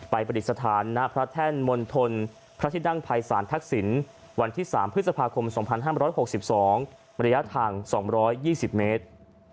ประดิษฐานณพระแท่นมณฑลพระที่นั่งภัยศาลทักษิณวันที่๓พฤษภาคม๒๕๖๒ระยะทาง๒๒๐เมตร